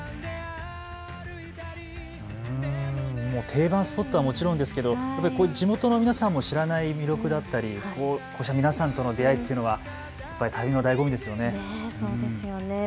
定番スポットはもちろんですけれども地元の皆さんも知らない魅力だったりこうした皆さんとの出会いというのは旅のだいご味ですよね。